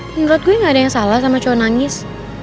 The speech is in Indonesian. menurut gue gak ada yang salah sama cowok nangis